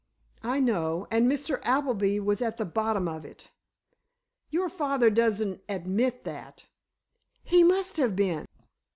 "I know. And Mr. Appleby was at the bottom of it!" "Your father doesn't admit that——" "He must have been."